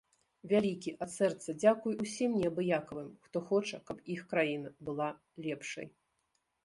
Вялікі, ад сэрца, дзякуй усім неабыякавым, хто хоча, каб іх краіна была лепшай!